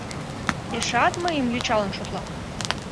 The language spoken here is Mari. Эшеат мыйым йочалан шотла?